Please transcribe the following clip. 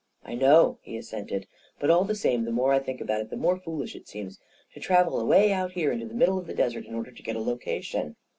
"I know," he assented; "but all the same, the more I think about it, the more foolish it seems to travel away out here into the middle of the desert in order to get a location.